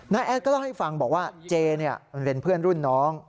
แอดก็เล่าให้ฟังบอกว่าเจมันเป็นเพื่อนรุ่นน้อง